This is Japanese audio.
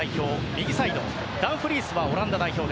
右サイド、ダンフリースはオランダ代表。